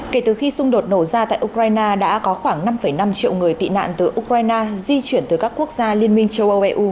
kể từ khi xung đột nổ ra tại ukraine đã có khoảng năm năm triệu người tị nạn từ ukraine di chuyển từ các quốc gia liên minh châu âu eu